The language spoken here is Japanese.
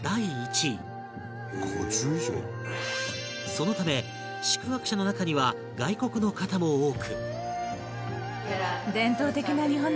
そのため宿泊者の中には外国の方も多く